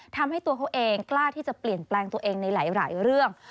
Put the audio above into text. ทำให้ตัวเขาเองกล้าที่จะเปลี่ยนแปลงตัวเองในหลายเรื่อง